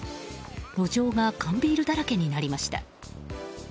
路上が缶ビールだらけになりました。